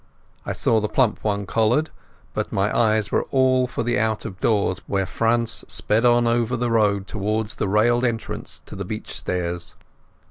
I saw the plump one collared, but my eyes were all for the out of doors, where Franz sped on over the road towards the railed entrance to the beach stairs.